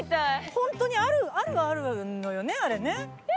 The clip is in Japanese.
本当にあるのはあるのよねあれね。